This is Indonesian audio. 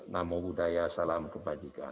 namo buddhaya salam kebajikan